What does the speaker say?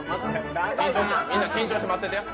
みんな緊張して待っててや。